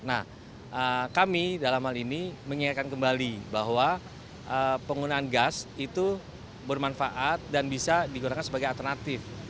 nah kami dalam hal ini mengingatkan kembali bahwa penggunaan gas itu bermanfaat dan bisa digunakan sebagai alternatif